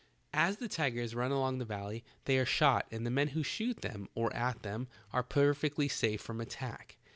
As the tigers run along the valley they are shot and the men who shoot them, or at them, are perfectly safe from attack.